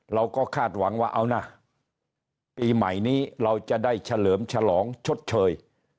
เราก็คาดหวังว่าเอานะปีใหม่นี้เราจะได้เฉลิมฉลองชดเชย